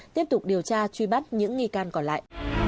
tiếp tục điều tra truy bắt những nghi can còn lại